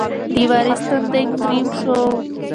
د وارث تندی تریو شو.